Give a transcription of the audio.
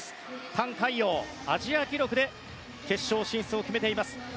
タン・カイヨウ、アジア記録で決勝進出を決めています。